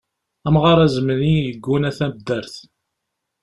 Amɣar azemni yegguna taddart.